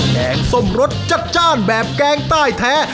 แกงส้มรสจัดแบบแกงใต้แท้